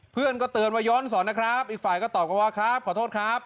เพื่อนก็เตือนว่าย้อนสอนนะครับอีกฝ่ายก็ตอบกันว่าครับขอโทษครับ